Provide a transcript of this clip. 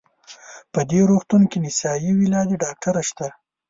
په دې روغتون کې نسایي ولادي ډاکټره شته؟